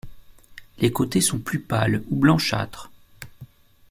Les côtés sont plus pâles ou blanchâtres.